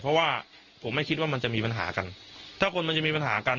เพราะว่าผมไม่คิดว่ามันจะมีปัญหากันถ้าคนมันจะมีปัญหากัน